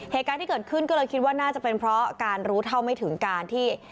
เหตุการณ์ที่เกิดขึ้นก็เลยคิดว่าน่าจะเป็นเพราะการรู้เท่าไม่ถึงการที่